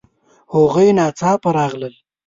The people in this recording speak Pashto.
هغوی ناڅاپه راغلل